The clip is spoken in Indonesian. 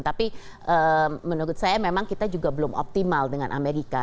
tapi menurut saya memang kita juga belum optimal dengan amerika